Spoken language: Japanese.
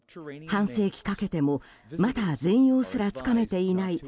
半世紀かけてもまだ全容すらつかめていない。